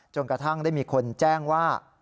กระทั่งได้มีคนแจ้งว่า